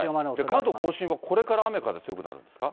関東甲信はこれから雨風強くなるんですか。